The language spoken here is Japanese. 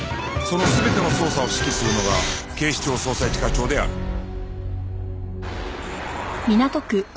その全ての捜査を指揮するのが警視庁捜査一課長である